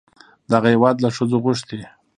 دغه هېواد له ښځو غوښتي